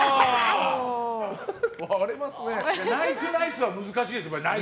ナイス、ナイスは難しいです。